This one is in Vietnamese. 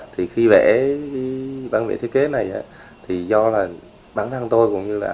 thì khi vẽ bản vẽ thiết kế này thì do là bản thân tôi cũng như là